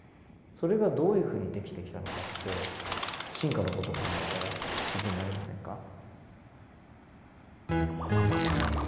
それがどういうふうにできてきたのかって進化の事考えたら不思議になりませんか？